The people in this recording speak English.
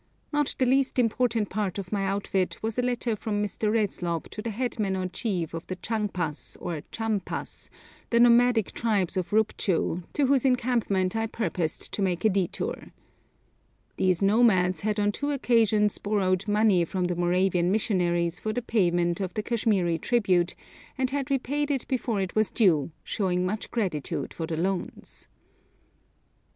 Not the least important part of my outfit was a letter from Mr. Redslob to the headman or chief of the Chang pas or Champas, the nomadic tribes of Rupchu, to whose encampment I purposed to make a détour. These nomads had on two occasions borrowed money from the Moravian missionaries for the payment of the Kashmiri tribute, and had repaid it before it was due, showing much gratitude for the loans.